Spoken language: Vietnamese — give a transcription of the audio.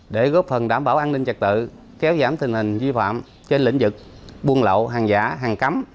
để góp phần đảm bảo an ninh trật tự kéo giảm tình hình vi phạm trên lĩnh vực buôn lậu hàng giả hàng cấm